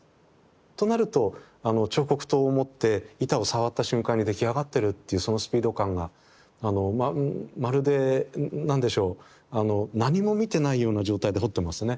となるとあの彫刻刀を持って板を触った瞬間に出来上がってるっていうそのスピード感があのまるで何でしょう何も見てないような状態で彫ってますね。